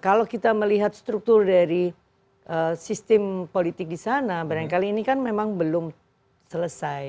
kalau kita melihat struktur dari sistem politik di sana barangkali ini kan memang belum selesai